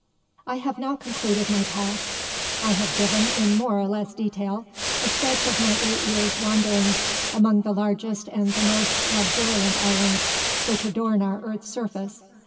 I have now concluded my task. I have given, in more or less detail, a sketch of my eight years' wanderings among the largest and the most luxuriant islands which adorn our earth's surface.